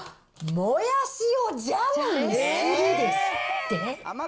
もやしをジャムにするですって。